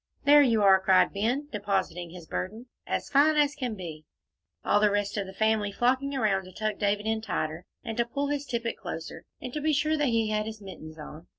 "There you are!" cried Ben, depositing his burden, "as fine as can be," all the rest of the family flocking around to tuck David in tighter, and to pull his tippet closer, and to be sure that he had his mittens on.